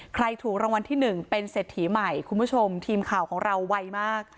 ใครถูกรางวัลที่หนึ่งเป็นเศรษฐีใหม่คุณผู้ชมทีมข่าวของเราไวมาก